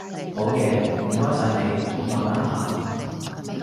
好嘅，唔該晒你，慢慢行